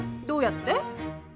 どうやって？